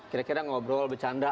kira kira ngobrol bercanda